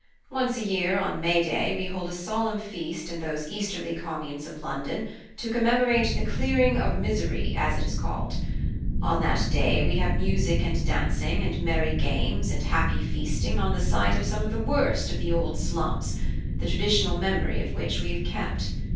Once a year, on May day, we hold a solemn feast in those easterly communes of London to commemorate The Clearing of Misery, as it is called. On that day we have music and dancing, and merry games and happy feasting on the site of some of the worst of the old slums, the traditional memory of which we have kept.